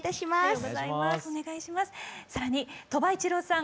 更に鳥羽一郎さん